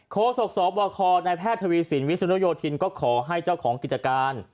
โค้ดส่งสอบวาคอร์ในแพทย์ทวีสินวิทยุโนโยธินก็ขอให้เจ้าของกิจการ